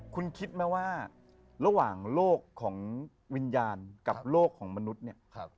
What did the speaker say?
คุณคิดไหมว่าระหว่างโลกของวิญญาณกับโลกของมนุษย์เนี่ย